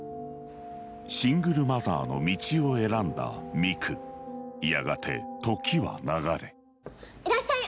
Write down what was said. シングルマザーの道を選んだ美久やがて時は流れいらっしゃい。